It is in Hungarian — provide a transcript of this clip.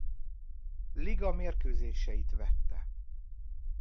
Liga mérkőzéseit vette.